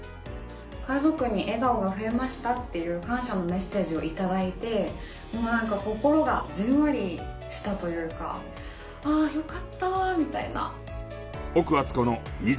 「家族に笑顔が増えました」っていう感謝のメッセージを頂いてもうなんか心がじんわりしたというかああよかったみたいな。